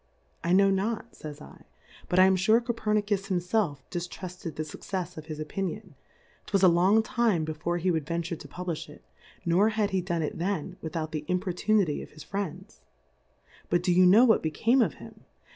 I knov/ not, flfys /, but I am fure Col'crmuis himfelif di ftruRed the Succefs of his Opinion, 'twas a long time before he would ven ture to publifii it, nor had he done it then, without the Importunity of liis Friends. But do you know what be came of him?